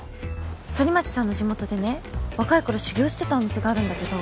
反町さんの地元でね若い頃修業してたお店があるんだけど。